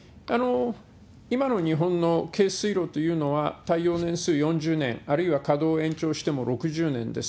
今の日本の軽水炉というのは、耐用年数４０年、あるいは稼働延長しても６０年です。